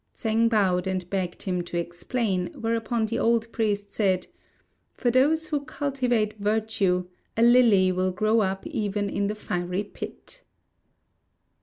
Tsêng bowed and begged him to explain; whereupon the old priest said, "For those who cultivate virtue, a lily will grow up even in the fiery pit."